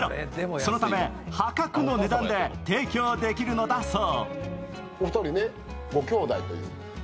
そのため、破格の値段で提供できるのだそう。